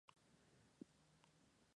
Tras asistir a la escuela católica St.